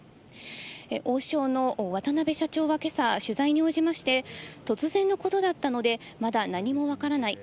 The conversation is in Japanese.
王将の渡邊社長はけさ、取材に応じまして、突然のことだったので、まだ何もわからない。